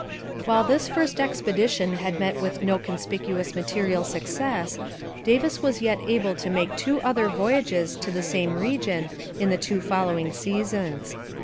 While this first expedition had met with no conspicuous material success, Davis was yet able to make two other voyages to the same region in the two following seasons.